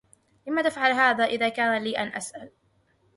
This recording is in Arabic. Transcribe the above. لماذا تفعل هذا إن كان لي أن أسأل؟